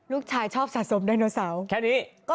ลูกชายชอบสะสมไดโนเสาร์